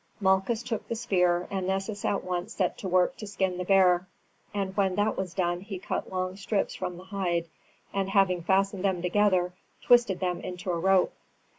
Malchus took the spear, and Nessus at once set to work to skin the bear, and when that was done he cut long strips from the hide, and having fastened them together, twisted them into a rope.